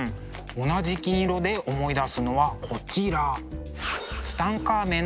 同じ金色で思い出すのはこちら。